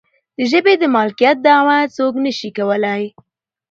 د ژبې د مالکیت دعوه څوک نشي کولی.